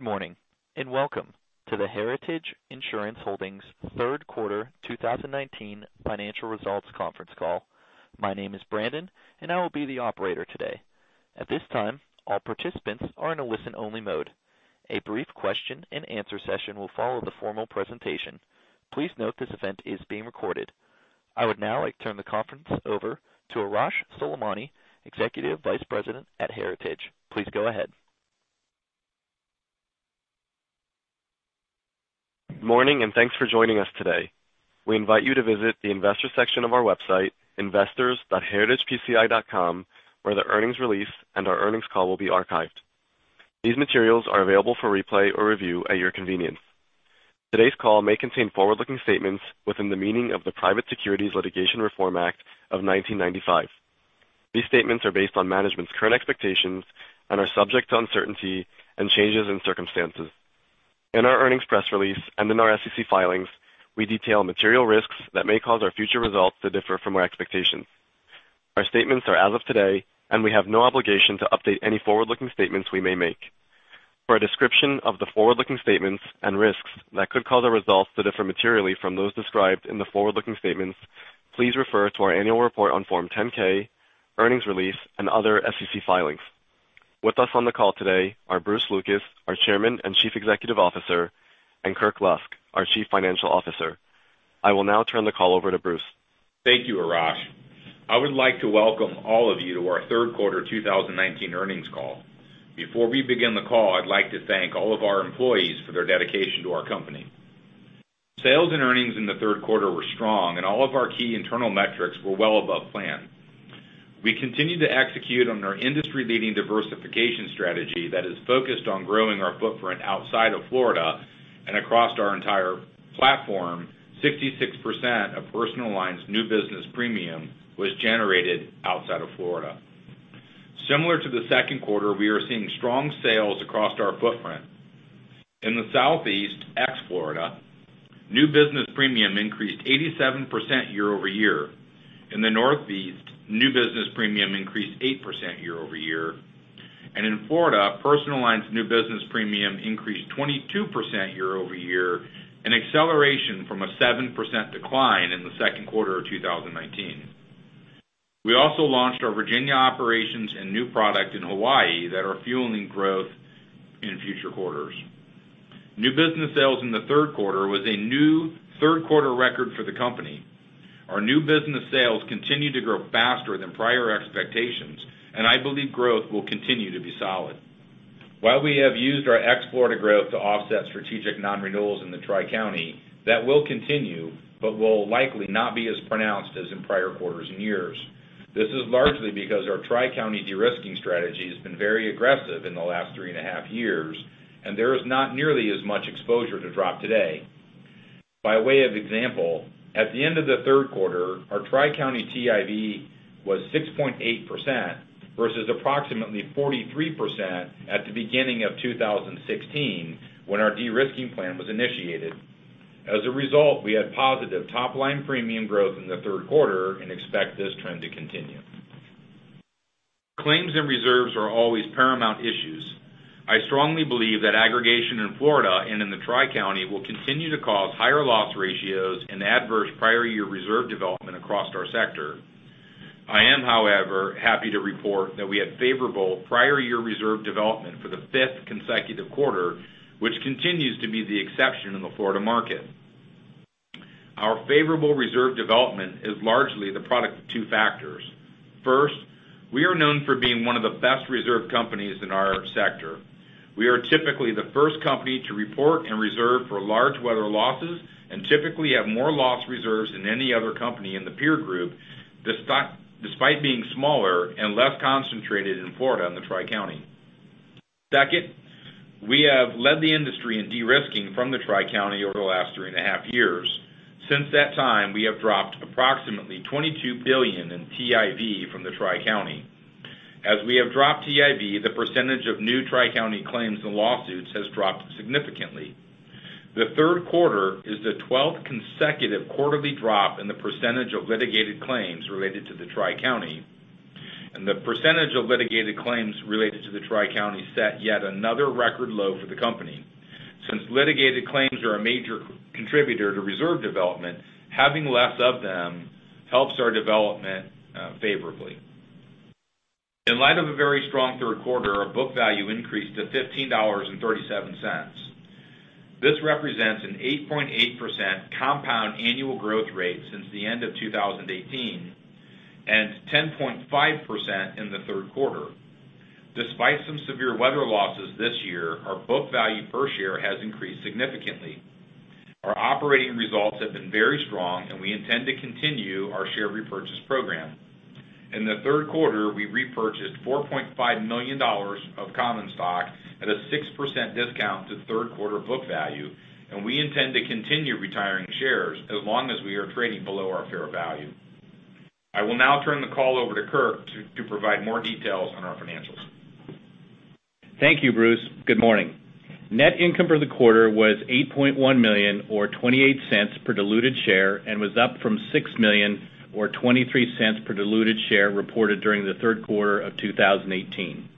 Good morning, welcome to the Heritage Insurance Holdings third quarter 2019 financial results conference call. My name is Brandon, I will be the operator today. At this time, all participants are in a listen-only mode. A brief question and answer session will follow the formal presentation. Please note this event is being recorded. I would now like to turn the conference over to Arash Soleimani, Executive Vice President at Heritage. Please go ahead. Morning, thanks for joining us today. We invite you to visit the investor section of our website, investors.heritagepci.com, where the earnings release and our earnings call will be archived. These materials are available for replay or review at your convenience. Today's call may contain forward-looking statements within the meaning of the Private Securities Litigation Reform Act of 1995. These statements are based on management's current expectations and are subject to uncertainty and changes in circumstances. In our earnings press release and in our SEC filings, we detail material risks that may cause our future results to differ from our expectations. Our statements are as of today, we have no obligation to update any forward-looking statements we may make. For a description of the forward-looking statements and risks that could cause our results to differ materially from those described in the forward-looking statements, please refer to our annual report on Form 10-K, earnings release, and other SEC filings. With us on the call today are Bruce Lucas, our Chairman and Chief Executive Officer, and Kirk Lusk, our Chief Financial Officer. I will now turn the call over to Bruce. Thank you, Arash. I would like to welcome all of you to our third quarter 2019 earnings call. Before we begin the call, I'd like to thank all of our employees for their dedication to our company. Sales and earnings in the third quarter were strong, all of our key internal metrics were well above plan. We continued to execute on our industry-leading diversification strategy that is focused on growing our footprint outside of Florida and across our entire platform. 66% of personal lines new business premium was generated outside of Florida. Similar to the second quarter, we are seeing strong sales across our footprint. In the Southeast, ex-Florida, new business premium increased 87% year-over-year. In the Northeast, new business premium increased 8% year-over-year. In Florida, personal lines new business premium increased 22% year-over-year, an acceleration from a 7% decline in the second quarter of 2019. We also launched our Virginia operations and new product in Hawaii that are fueling growth in future quarters. New business sales in the third quarter was a new third-quarter record for the company. Our new business sales continue to grow faster than prior expectations. I believe growth will continue to be solid. We have used our ex-Florida growth to offset strategic non-renewals in the Tri-County, that will continue but will likely not be as pronounced as in prior quarters and years. This is largely because our Tri-County de-risking strategy has been very aggressive in the last three and a half years, and there is not nearly as much exposure to drop today. By way of example, at the end of the third quarter, our Tri-County TIV was 6.8% versus approximately 43% at the beginning of 2016, when our de-risking plan was initiated. As a result, we had positive top-line premium growth in the third quarter and expect this trend to continue. Claims and reserves are always paramount issues. I strongly believe that aggregation in Florida and in the Tri-County will continue to cause higher loss ratios and adverse prior year reserve development across our sector. I am, however, happy to report that we had favorable prior year reserve development for the fifth consecutive quarter, which continues to be the exception in the Florida market. Our favorable reserve development is largely the product of two factors. First, we are known for being one of the best reserve companies in our sector. We are typically the first company to report and reserve for large weather losses and typically have more loss reserves than any other company in the peer group, despite being smaller and less concentrated in Florida and the Tri-County. Second, we have led the industry in de-risking from the Tri-County over the last three and a half years. Since that time, we have dropped approximately $22 billion in TIV from the Tri-County. As we have dropped TIV, the percentage of new Tri-County claims and lawsuits has dropped significantly. The third quarter is the 12th consecutive quarterly drop in the percentage of litigated claims related to the Tri-County. The percentage of litigated claims related to the Tri-County set yet another record low for the company. Since litigated claims are a major contributor to reserve development, having less of them helps our development favorably. In light of a very strong third quarter, our book value increased to $15.37. This represents an 8.8% compound annual growth rate since the end of 2018 and 10.5% in the third quarter. Despite some severe weather losses this year, our book value per share has increased significantly. Our operating results have been very strong. We intend to continue our share repurchase program. In the third quarter, we repurchased $4.5 million of common stock at a 6% discount to third-quarter book value. We intend to continue retiring shares as long as we are trading below our fair value. I will now turn the call over to Kirk to provide more details on our financials. Thank you, Bruce. Good morning. Net income for the quarter was $8.1 million, or $0.28 per diluted share, and was up from $6 million, or $0.23 per diluted share, reported during the third quarter of 2018.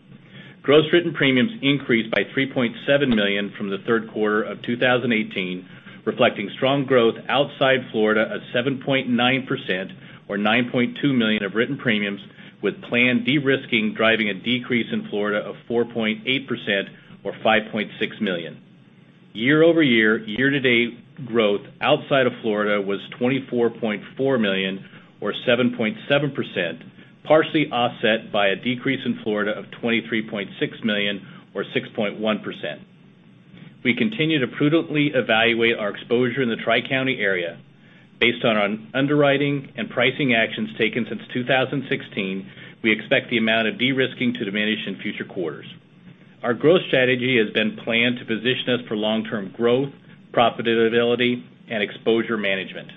Gross written premiums increased by $3.7 million from the third quarter of 2018, reflecting strong growth outside Florida of 7.9%, or $9.2 million of written premiums, with planned de-risking driving a decrease in Florida of 4.8%, or $5.6 million. Year-over-year, year to date growth outside of Florida was $24.4 million, or 7.7%, partially offset by a decrease in Florida of $23.6 million or 6.1%. We continue to prudently evaluate our exposure in the Tri-County area. Based on our underwriting and pricing actions taken since 2016, we expect the amount of de-risking to diminish in future quarters. Our growth strategy has been planned to position us for long-term growth, profitability, and exposure management.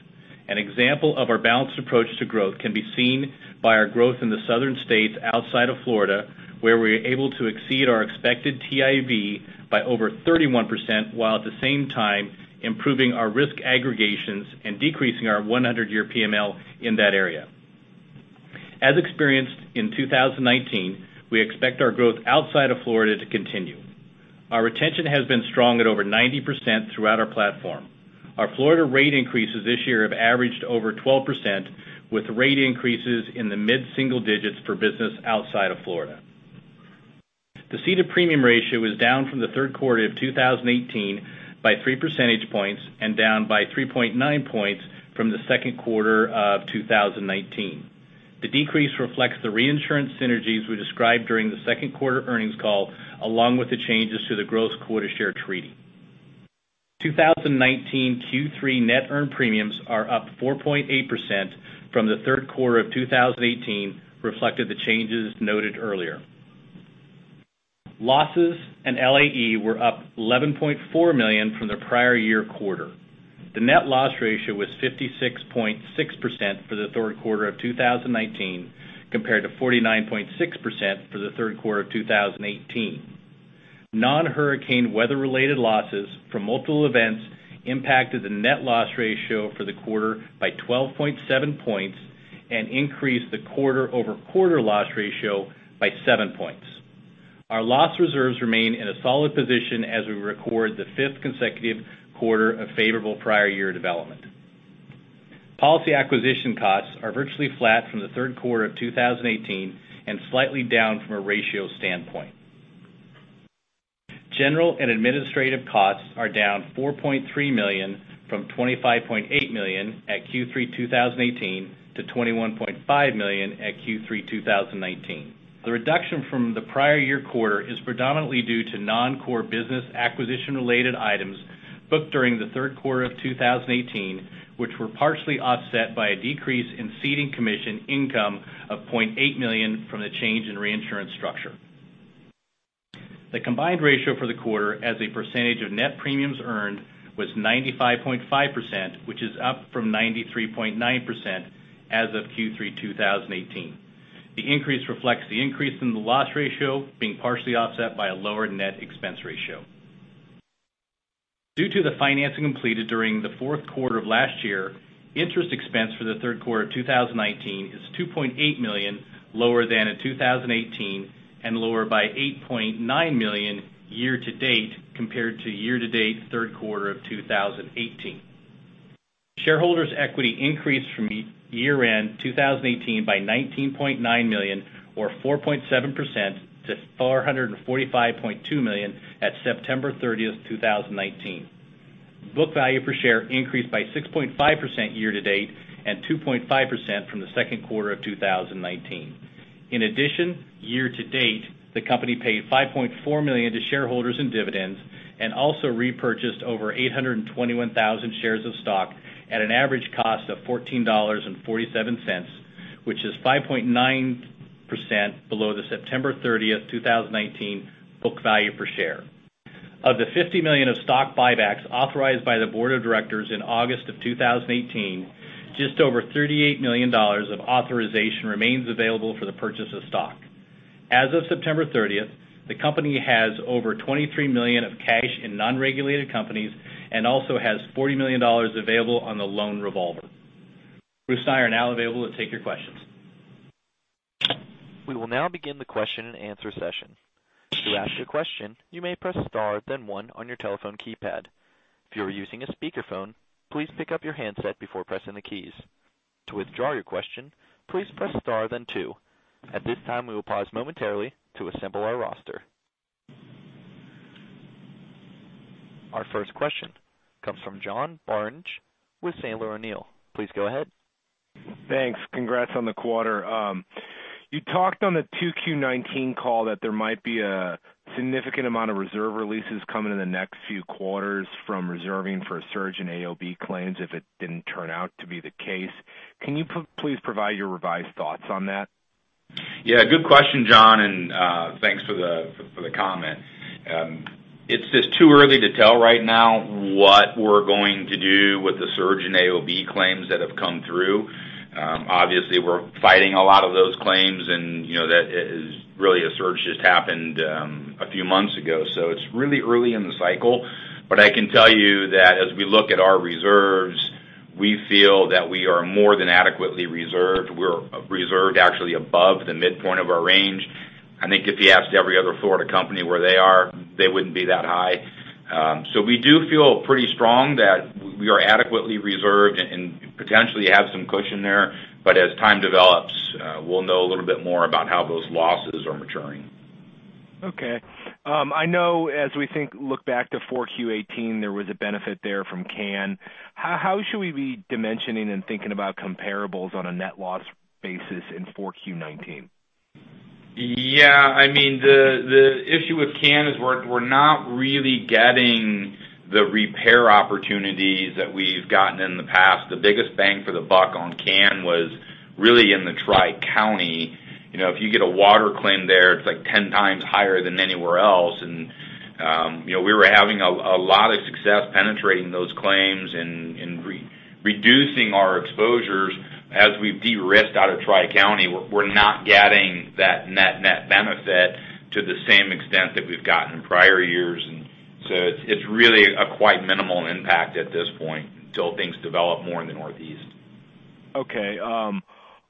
An example of our balanced approach to growth can be seen by our growth in the southern states outside of Florida, where we're able to exceed our expected TIV by over 31%, while at the same time improving our risk aggregations and decreasing our 100-year PML in that area. As experienced in 2019, we expect our growth outside of Florida to continue. Our retention has been strong at over 90% throughout our platform. Our Florida rate increases this year have averaged over 12%, with rate increases in the mid-single digits for business outside of Florida. The ceded premium ratio was down from the third quarter of 2018 by three percentage points and down by 3.9 points from the second quarter of 2019. The decrease reflects the reinsurance synergies we described during the second quarter earnings call, along with the changes to the gross quota share treaty. 2019 Q3 net earned premiums are up 4.8% from the third quarter of 2018, reflecting the changes noted earlier. Losses and LAE were up $11.4 million from the prior year quarter. The net loss ratio was 56.6% for the third quarter of 2019, compared to 49.6% for the third quarter of 2018. Non-hurricane weather-related losses from multiple events impacted the net loss ratio for the quarter by 12.7 points and increased the quarter-over-quarter loss ratio by seven points. Our loss reserves remain in a solid position as we record the fifth consecutive quarter of favorable prior year development. Policy acquisition costs are virtually flat from the third quarter of 2018 and slightly down from a ratio standpoint. General and administrative costs are down $4.3 million from $25.8 million at Q3 2018 to $21.5 million at Q3 2019. The reduction from the prior year quarter is predominantly due to non-core business acquisition related items booked during the third quarter of 2018, which were partially offset by a decrease in ceding commission income of $0.8 million from the change in reinsurance structure. The combined ratio for the quarter as a percentage of net premiums earned was 95.5%, which is up from 93.9% as of Q3 2018. The increase reflects the increase in the loss ratio being partially offset by a lower net expense ratio. Due to the financing completed during the fourth quarter of last year, interest expense for the third quarter of 2019 is $2.8 million, lower than in 2018, and lower by $8.9 million year-to-date compared to year-to-date third quarter of 2018. Shareholders' equity increased from year-end 2018 by $19.9 million or 4.7% to $445.2 million at September 30th, 2019. Book value per share increased by 6.5% year-to-date and 2.5% from the second quarter of 2019. In addition, year-to-date, the company paid $5.4 million to shareholders in dividends and also repurchased over 821,000 shares of stock at an average cost of $14.47, which is 5.9% below the September 30th, 2019 book value per share. Of the $50 million of stock buybacks authorized by the board of directors in August of 2018, just over $38 million of authorization remains available for the purchase of stock. As of September 30th, the company has over $23 million of cash in non-regulated companies and also has $40 million available on the loan revolver. Bruce and I are now available to take your questions. We will now begin the question and answer session. To ask a question, you may press star then 1 on your telephone keypad. If you are using a speakerphone, please pick up your handset before pressing the keys. To withdraw your question, please press star then 2. At this time, we will pause momentarily to assemble our roster. Our first question comes from John Barnes with Sandler O'Neill. Please go ahead. Thanks. Congrats on the quarter. You talked on the 2Q19 call that there might be a significant amount of reserve releases coming in the next few quarters from reserving for a surge in AOB claims if it didn't turn out to be the case. Can you please provide your revised thoughts on that? good question, John, and thanks for the comment. It's just too early to tell right now what we're going to do with the surge in AOB claims that have come through. Obviously, we're fighting a lot of those claims, and really a surge just happened a few months ago. It's really early in the cycle. I can tell you that as we look at our reserves We feel that we are more than adequately reserved. We're reserved actually above the midpoint of our range. I think if you asked every other Florida company where they are, they wouldn't be that high. We do feel pretty strong that we are adequately reserved and potentially have some cushion there, but as time develops, we'll know a little bit more about how those losses are maturing. Okay. I know as we look back to 4Q 2018, there was a benefit there from CAT. How should we be dimensioning and thinking about comparables on a net loss basis in 4Q 2019? The issue with CAT is we're not really getting the repair opportunities that we've gotten in the past. The biggest bang for the buck on CAT was really in the Tri-County. If you get a water claim there, it's 10 times higher than anywhere else, and we were having a lot of success penetrating those claims and reducing our exposures. As we've de-risked out of Tri-County, we're not getting that net benefit to the same extent that we've gotten in prior years. It's really a quite minimal impact at this point until things develop more in the Northeast. Okay.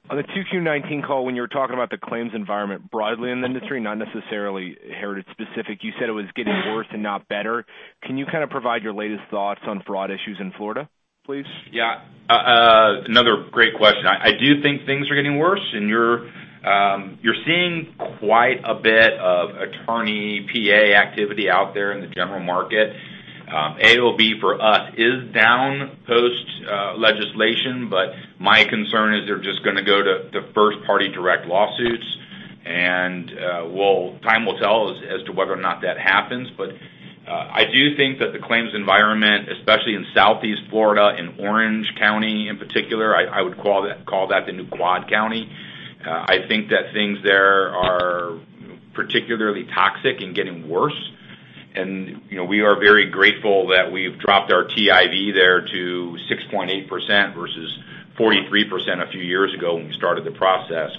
On the 2Q 2019 call, when you were talking about the claims environment broadly in the industry, not necessarily Heritage specific, you said it was getting worse and not better. Can you kind of provide your latest thoughts on fraud issues in Florida, please? Another great question. I do think things are getting worse, you're seeing quite a bit of attorney PA activity out there in the general market. AOB for us is down post-legislation, my concern is they're just going to go to first-party direct lawsuits. Time will tell as to whether or not that happens. I do think that the claims environment, especially in Southeast Florida, in Orange County in particular, I would call that the new Quad County. I think that things there are particularly toxic and getting worse. We are very grateful that we've dropped our TIV there to 6.8% versus 43% a few years ago when we started the process.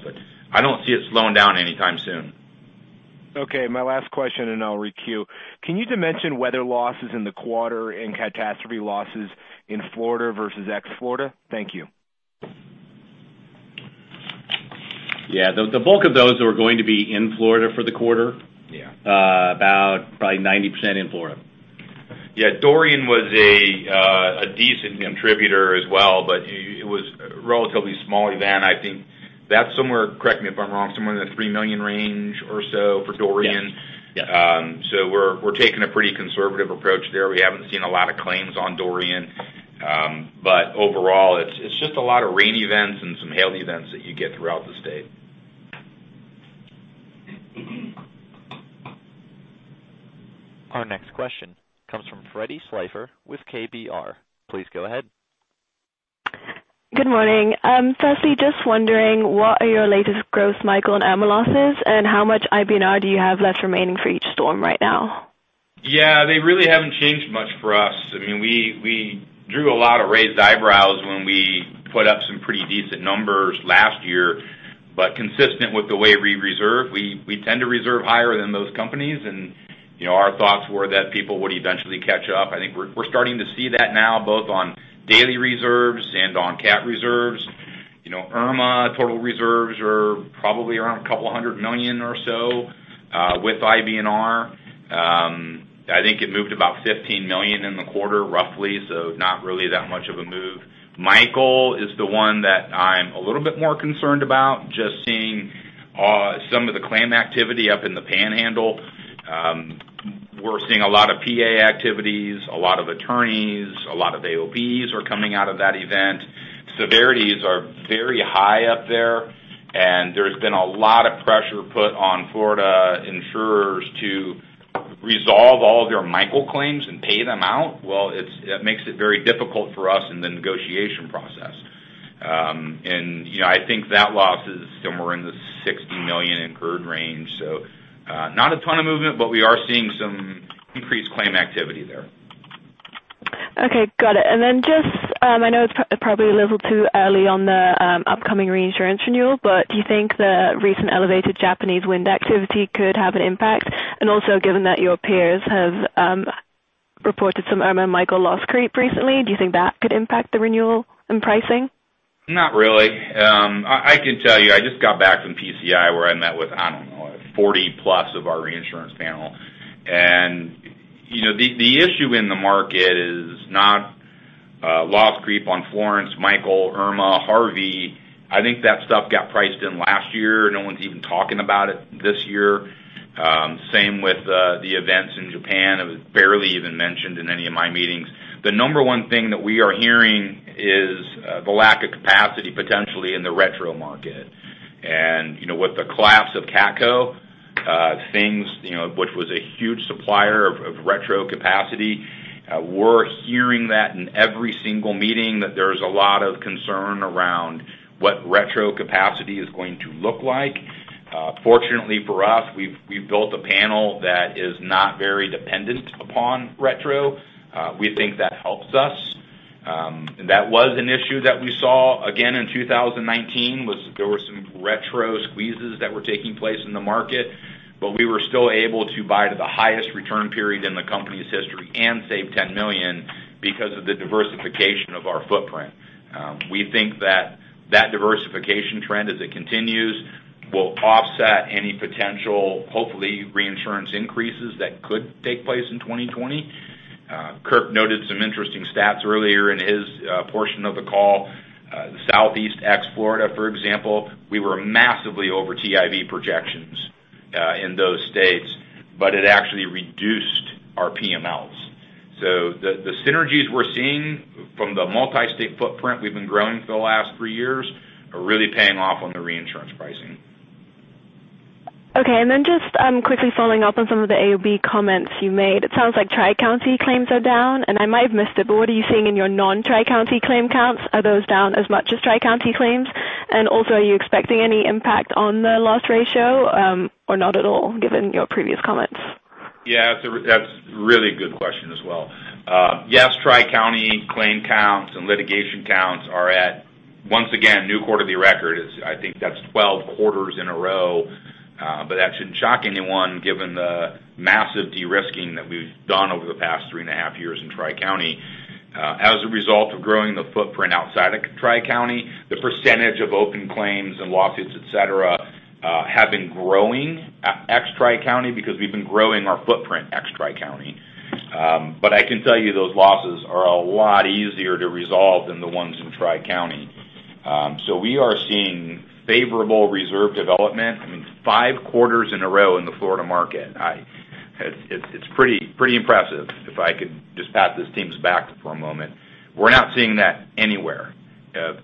I don't see it slowing down anytime soon. Okay. My last question, I'll re-queue. Can you dimension whether losses in the quarter and catastrophe losses in Florida versus ex-Florida? Thank you. The bulk of those are going to be in Florida for the quarter. About probably 90% in Florida. Dorian was a decent contributor as well, it was a relatively small event. I think that's somewhere, correct me if I'm wrong, somewhere in the $3 million range or so for Dorian. Yes. We're taking a pretty conservative approach there. We haven't seen a lot of claims on Dorian. Overall, it's just a lot of rain events and some hail events that you get throughout the state. Our next question comes from Frederick Slyfer with KBW. Please go ahead. Good morning. Firstly, just wondering, what are your latest gross Michael and Irma losses, and how much IBNR do you have left remaining for each storm right now? Yeah, they really haven't changed much for us. We drew a lot of raised eyebrows when we put up some pretty decent numbers last year. Consistent with the way we reserve, we tend to reserve higher than those companies, and our thoughts were that people would eventually catch up. I think we're starting to see that now, both on daily reserves and on CAT reserves. Irma total reserves are probably around $200 million or so with IBNR. I think it moved about $15 million in the quarter, roughly, so not really that much of a move. Michael is the one that I'm a little bit more concerned about, just seeing some of the claim activity up in the Panhandle. We're seeing a lot of PA activities, a lot of attorneys, a lot of AOBs are coming out of that event. Severities are very high up there, and there's been a lot of pressure put on Florida insurers to resolve all of their Michael claims and pay them out. Well, it makes it very difficult for us in the negotiation process. I think that loss is somewhere in the $60 million incurred range. Not a ton of movement, but we are seeing some increased claim activity there. Okay. Got it. Then just, I know it's probably a little too early on the upcoming reinsurance renewal, but do you think the recent elevated Japanese wind activity could have an impact? Also given that your peers have reported some Irma and Michael loss creep recently, do you think that could impact the renewal and pricing? Not really. I can tell you, I just got back from PCI where I met with, I don't know, 40+ of our reinsurance panel. The issue in the market is not loss creep on Hurricane Florence, Hurricane Michael, Hurricane Irma, Hurricane Harvey. I think that stuff got priced in last year. No one's even talking about it this year. Same with the events in Japan. It was barely even mentioned in any of my meetings. The number one thing that we are hearing is the lack of capacity potentially in the retro market. With the collapse of CatCo, which was a huge supplier of retro capacity, we're hearing that in every single meeting that there's a lot of concern around what retro capacity is going to look like. Fortunately for us, we've built a panel that is not very dependent upon retro. We think that helps us. That was an issue that we saw again in 2019, was there were some retro squeezes that were taking place in the market. We were still able to buy to the highest return period in the company's history and save $10 million because of the diversification of our footprint. We think that that diversification trend, as it continues, will offset any potential, hopefully, reinsurance increases that could take place in 2020. Kirk noted some interesting stats earlier in his portion of the call. The Southeast ex-Florida, for example, we were massively over TIV projections in those states. It actually reduced our PMLs. The synergies we're seeing from the multi-state footprint we've been growing for the last three years are really paying off on the reinsurance pricing. Okay, just quickly following up on some of the AOB comments you made. It sounds like Tri-County claims are down. I might have missed it, but what are you seeing in your non-Tri-County claim counts? Are those down as much as Tri-County claims? Also, are you expecting any impact on the loss ratio, or not at all, given your previous comments? Yeah. That's a really good question as well. Yes, Tri-County claim counts and litigation counts are at, once again, a new quarterly record. I think that's 12 quarters in a row. That shouldn't shock anyone given the massive de-risking that we've done over the past three and a half years in Tri-County. As a result of growing the footprint outside of Tri-County, the percentage of open claims and lawsuits, et cetera, have been growing ex-Tri-County because we've been growing our footprint ex-Tri-County. I can tell you those losses are a lot easier to resolve than the ones in Tri-County. We are seeing favorable reserve development, I mean, five quarters in a row in the Florida market. It's pretty impressive. If I could just pat this team's back for a moment. We're not seeing that anywhere,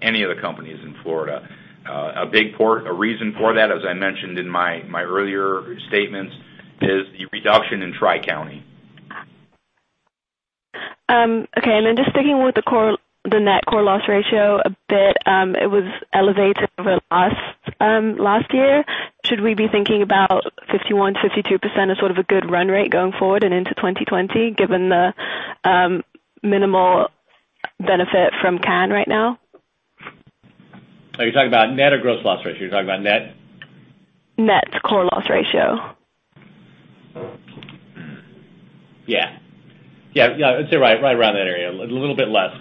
any of the companies in Florida. A big reason for that, as I mentioned in my earlier statements, is the reduction in Tri-County. Okay, just sticking with the net core loss ratio a bit, it was elevated over last year. Should we be thinking about 51%-52% as sort of a good run rate going forward and into 2020 given the minimal benefit from CAT right now? Are you talking about net or gross loss ratio? You're talking about net? Net core loss ratio. Yeah. I'd say right around that area. A little bit less.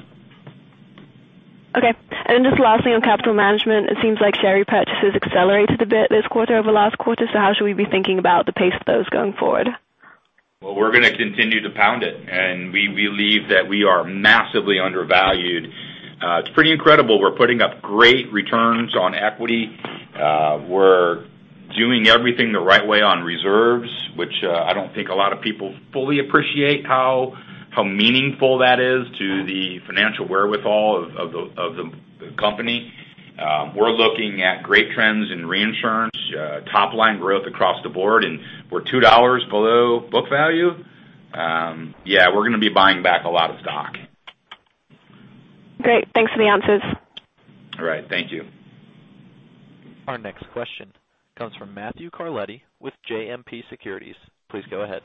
Okay. Just lastly, on capital management, it seems like share repurchases accelerated a bit this quarter over last quarter. How should we be thinking about the pace of those going forward? Well, we're going to continue to pound it, and we believe that we are massively undervalued. It's pretty incredible. We're putting up great returns on equity. We're doing everything the right way on reserves, which I don't think a lot of people fully appreciate how meaningful that is to the financial wherewithal of the company. We're looking at great trends in reinsurance, top-line growth across the board, and we're $2 below book value. Yeah, we're going to be buying back a lot of stock. Great. Thanks for the answers. All right. Thank you. Our next question comes from Matthew Carletti with JMP Securities. Please go ahead.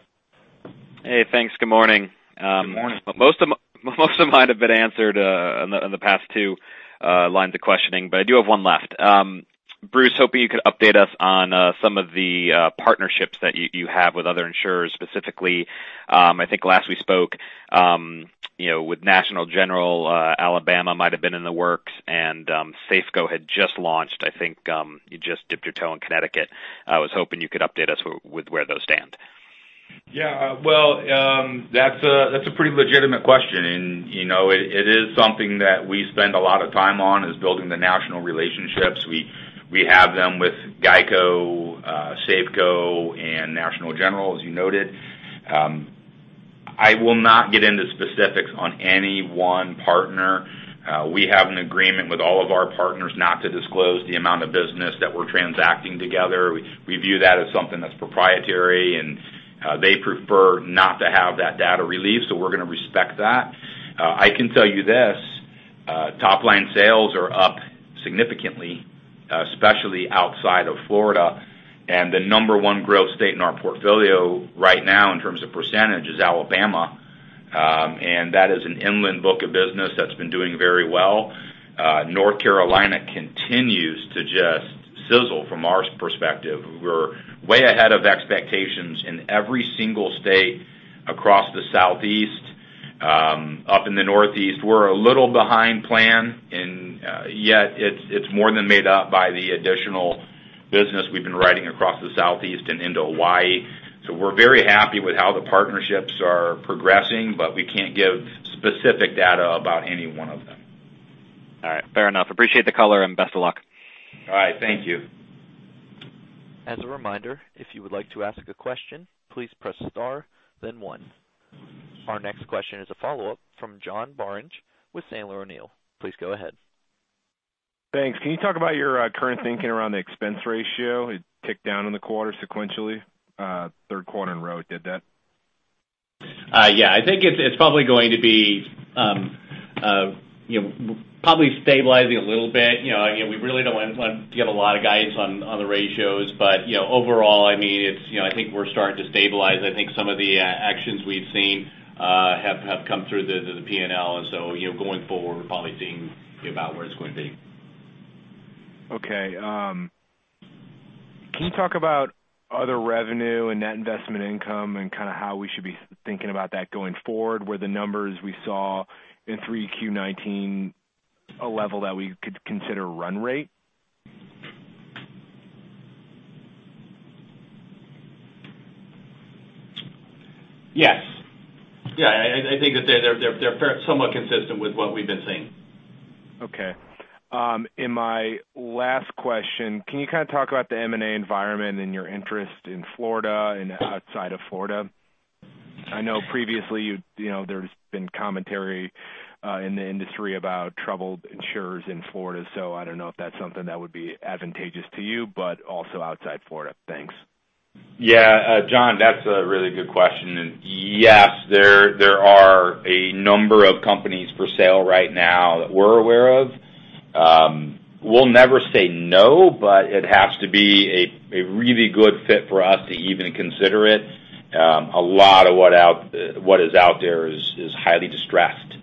Hey, thanks. Good morning. Good morning. Most of mine have been answered in the past two lines of questioning, but I do have one left. Bruce, hoping you could update us on some of the partnerships that you have with other insurers. Specifically, I think last we spoke, with National General, Alabama might've been in the works, and Safeco had just launched. I think you just dipped your toe in Connecticut. I was hoping you could update us with where those stand. Yeah. Well, that's a pretty legitimate question. It is something that we spend a lot of time on, is building the national relationships. We have them with GEICO, Safeco, and National General, as you noted. I will not get into specifics on any one partner. We have an agreement with all of our partners not to disclose the amount of business that we're transacting together. We view that as something that's proprietary, and they prefer not to have that data released, so we're going to respect that. I can tell you this. Top-line sales are up significantly, especially outside of Florida. The number 1 growth state in our portfolio right now in terms of percentage is Alabama. That is an inland book of business that's been doing very well. North Carolina continues to just sizzle from our perspective. We're way ahead of expectations in every single state across the Southeast. Up in the Northeast, we're a little behind plan, and yet it's more than made up by the additional business we've been writing across the Southeast and into Hawaii. We're very happy with how the partnerships are progressing, but we can't give specific data about any one of them. All right. Fair enough. Appreciate the color, and best of luck. All right. Thank you. As a reminder, if you would like to ask a question, please press star, then one. Our next question is a follow-up from John Barnes with Sandler O'Neill. Please go ahead. Thanks. Can you talk about your current thinking around the expense ratio? It ticked down in the quarter sequentially. Third quarter in a row it did that. Yeah. I think it's probably going to be stabilizing a little bit. We really don't want to give a lot of guidance on the ratios. Overall, I think we're starting to stabilize. I think some of the actions we've seen have come through the P&L. Going forward, we're probably seeing about where it's going to be. Okay. Can you talk about other revenue and net investment income and how we should be thinking about that going forward? Were the numbers we saw in Q3 2019 a level that we could consider run rate? Yes. I think that they're somewhat consistent with what we've been saying. Okay. In my last question, can you talk about the M&A environment and your interest in Florida and outside of Florida? I know previously, there's been commentary in the industry about troubled insurers in Florida. I don't know if that's something that would be advantageous to you, but also outside Florida. Thanks. Yeah, John, that's a really good question. Yes, there are a number of companies for sale right now that we're aware of. We'll never say no, but it has to be a really good fit for us to even consider it. A lot of what is out there is highly distressed.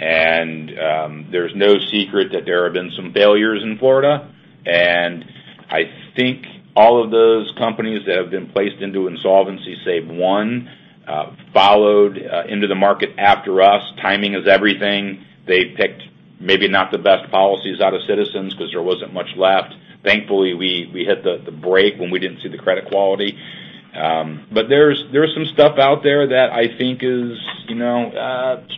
There's no secret that there have been some failures in Florida. I think all of those companies that have been placed into insolvency, save one, followed into the market after us. Timing is everything. They picked maybe not the best policies out of Citizens because there wasn't much left. Thankfully, we hit the brake when we didn't see the credit quality. There's some stuff out there that I think is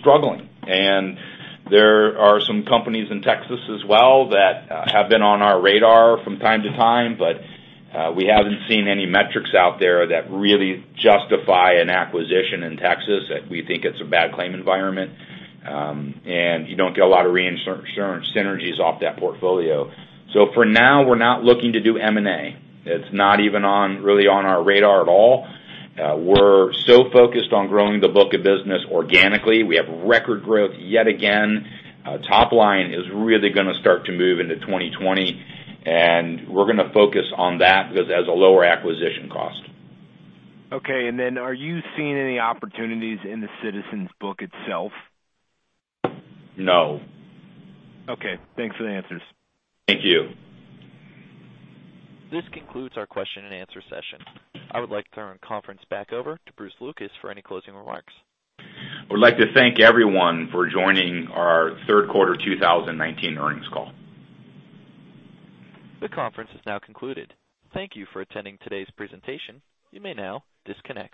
struggling. There are some companies in Texas as well that have been on our radar from time to time, but we haven't seen any metrics out there that really justify an acquisition in Texas. We think it's a bad claim environment. You don't get a lot of reinsurance synergies off that portfolio. For now, we're not looking to do M&A. It's not even really on our radar at all. We're so focused on growing the book of business organically. We have record growth yet again. Top line is really going to start to move into 2020. We're going to focus on that because it has a lower acquisition cost. Okay. Are you seeing any opportunities in the Citizens book itself? No. Okay. Thanks for the answers. Thank you. This concludes our question and answer session. I would like to turn the conference back over to Bruce Lucas for any closing remarks. I would like to thank everyone for joining our third quarter 2019 earnings call. The conference is now concluded. Thank you for attending today's presentation. You may now disconnect.